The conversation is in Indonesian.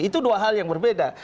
itu dua hal yang berbeda